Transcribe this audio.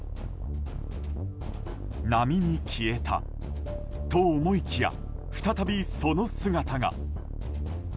波に消えたと思いきや再びその姿が。